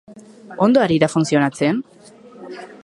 Ondo ari da funtzionatzen?